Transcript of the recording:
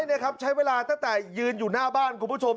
นี่ครับใช้เวลาตั้งแต่ยืนอยู่หน้าบ้านคุณผู้ชม